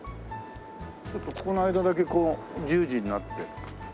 ちょっとここの間だけこう十字になって。